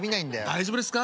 大丈夫ですか？